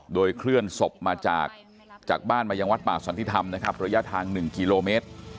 โดยเคลื่อนศพมาจากบ้านมายังวัดป่าสันติธรรมนะครับระยะทาง๑กิโลเมตร